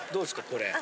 これ。